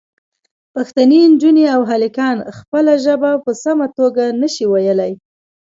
پښتنې نجونې او هلکان خپله ژبه په سمه توګه نه شي ویلی.